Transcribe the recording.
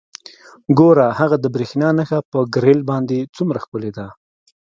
ګوره هغه د بریښنا نښه په ګریل باندې څومره ښکلې ده